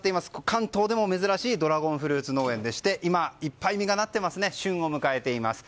関東でも珍しいドラゴンフルーツ農園でして今、いっぱい実がなって旬を迎えています。